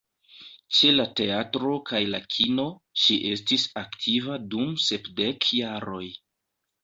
Ĉe la teatro kaj la kino, ŝi estis aktiva dum sepdek jaroj.